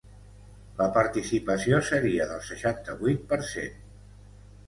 La participació seria del seixanta-vuit per cent.